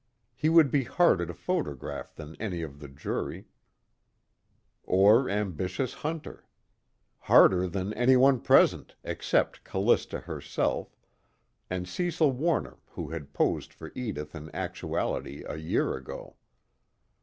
He would be harder to photograph than any of the jury, or ambitious Hunter. Harder than anyone present except Callista herself, and Cecil Warner who had posed for Edith in actuality a year ago.